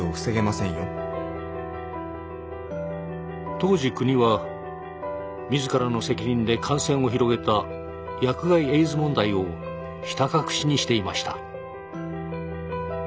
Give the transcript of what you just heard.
当時国は自らの責任で感染を広げた薬害エイズ問題をひた隠しにしていました。